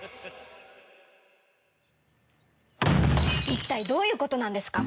一体どういうことなんですか？